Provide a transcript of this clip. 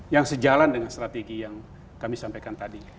yang sejalan dengan strategi yang kami sampaikan tadi